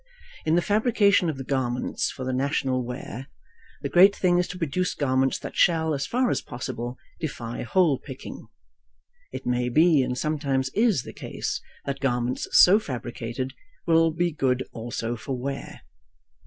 In the fabrication of garments for the national wear, the great thing is to produce garments that shall, as far as possible, defy hole picking. It may be, and sometimes is, the case, that garments so fabricated will be good also for wear.